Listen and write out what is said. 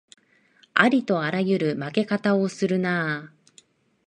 ありとあらゆる負け方をするなあ